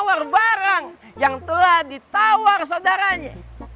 janganlah menawar barang yang telah ditawar saudaranya